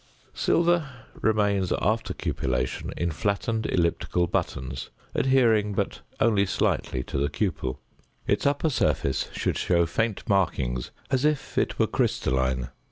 Silver remains after cupellation in flattened elliptical buttons, adhering but only slightly to the cupel. Its upper surface should show faint markings as if it were crystalline.